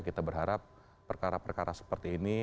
kita berharap perkara perkara seperti ini